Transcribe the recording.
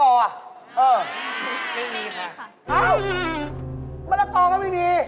เออเหมือนกันกันค่ะใช่ไม่มี